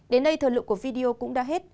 đến đây thờ lượng của video cũng đã hết